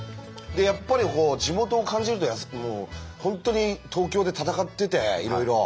やっぱりこう地元を感じると本当に東京で戦ってていろいろ。